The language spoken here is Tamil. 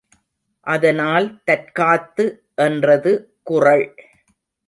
அதனால் தற்காத்து என்றது குறள்.